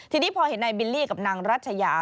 ทีนี้พอเห็นนายบิลลี่กับนางรัชยา